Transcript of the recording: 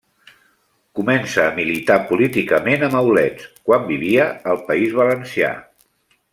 Comença a militar políticament a Maulets, quan vivia al País Valencià.